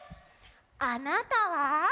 あなたは？